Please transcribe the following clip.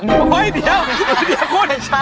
เฮ้ยเดี๋ยวคุณชะ